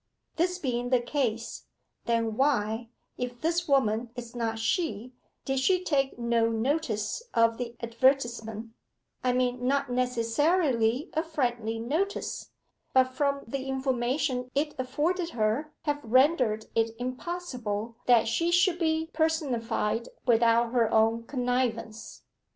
This being the case, then, why, if this woman is not she, did she take no notice of the advertisement I mean not necessarily a friendly notice, but from the information it afforded her have rendered it impossible that she should be personified without her own connivance?